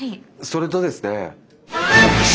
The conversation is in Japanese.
それとですね。